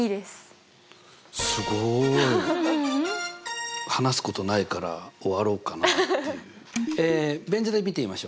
すごい！話すことないから終わろうかなっていう。